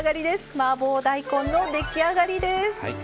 マーボー大根の出来上がりです。